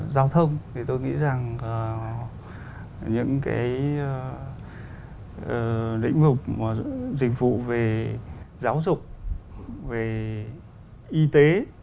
giao thông thì tôi nghĩ rằng những cái lĩnh vực dịch vụ về giáo dục về y tế